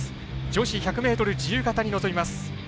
女子１００ｍ自由形に臨みます。